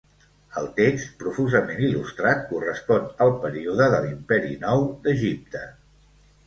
El text, profusament il·lustrat, correspon al període de l'Imperi nou d'Egipte.